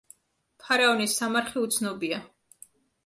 ფარაონის სამარხი უცნობია.